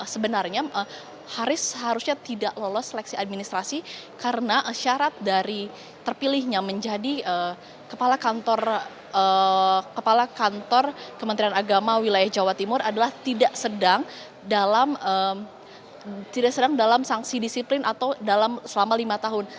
sebenarnya haris seharusnya tidak lolos seleksi administrasi karena syarat dari terpilihnya menjadi kepala kantor kementerian agama wilayah jawa timur adalah tidak sedang dalam sanksi disiplin atau selama lima tahun